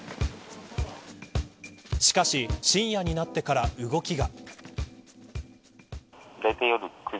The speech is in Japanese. しかし、深夜になってから動きが。